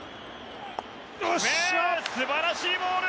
素晴らしいボール！